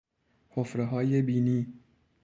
حفرههای بینی